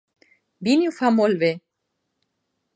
Vinnie ho fa molt bé!